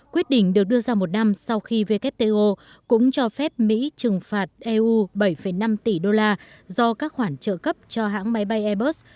quyết định được đưa ra một năm sau khi wto cũng cho phép mỹ trừng phạt eu bảy năm tỷ đô la do các khoản trợ cấp cho hãng máy bay airbus